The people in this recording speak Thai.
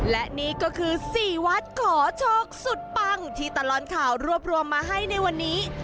และนี่ก็คือ๔วัดขอโชคสุดปังที่ตลอดข่าวรวบรวมมาให้ในวันนี้